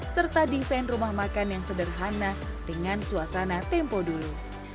serta desain rumah makan yang sederhana dengan suasana tempo dulu